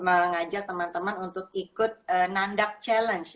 kemudian kita juga mengajak teman teman untuk ikut nandak challenge